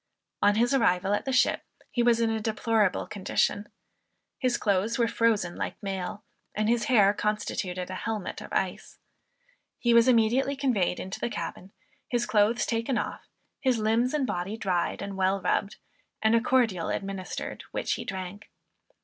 On his arrival at the ship, he was in a deplorable condition. His clothes were frozen like mail, and his hair constituted a helmet of ice. He was immediately conveyed into the cabin, his clothes taken off, his limbs and body dried and well rubbed, and a cordial administered which he drank.